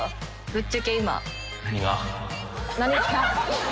ぶっちゃけ今。